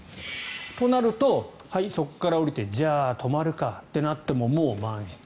となると、そこから降りてじゃあ、泊まるかとなってももう満室。